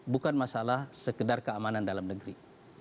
bukan masalah sekedar keamanan dalam negeri